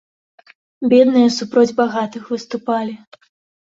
Бедныя супроць багатых выступалі.